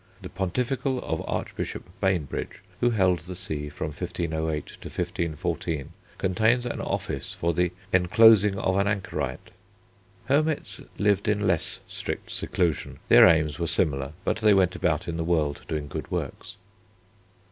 The Pontifical of Archbishop Bainbridge, who held the see from 1508 to 1514, contains an office for the Enclosing of an Anchorite. Hermits lived in less strict seclusion. Their aims were similar, but they went about in the world doing good works.